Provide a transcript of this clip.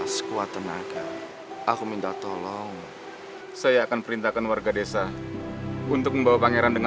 sekuat tenaga aku minta tolong saya akan perintahkan warga desa untuk membawa pangeran dengan